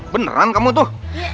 beneran kamu tuh